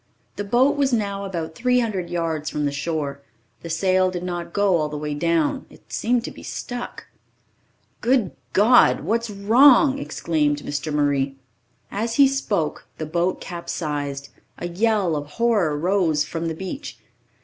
The boat was now about 300 yards from the shore. The sail did not go all the way down it seemed to be stuck. "Good God, what's wrong?" exclaimed Mr. Murray. As he spoke, the boat capsized. A yell of horror rose I from the beach.